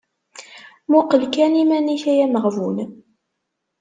Muqel kan iman-ik ay ameɣbun…